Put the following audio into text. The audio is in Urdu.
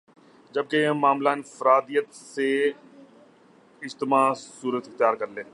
جبکہ یہ معاملہ انفراد عیت سے ل کر اجتماع صورت اختیار کر لے